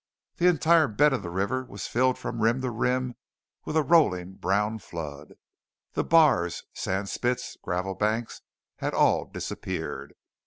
The entire bed of the river was filled from rim to rim with a rolling brown flood. The bars, sand spits, gravel banks had all disappeared.